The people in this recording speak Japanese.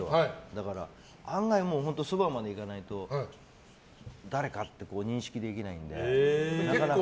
だから、案外そばまで行かないと誰かって認識できないんで、なかなか。